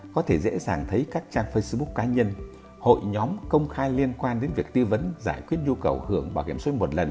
có thể dễ dàng thấy các trang facebook cá nhân hội nhóm công khai liên quan đến việc tư vấn giải quyết nhu cầu hưởng bảo hiểm sội một lần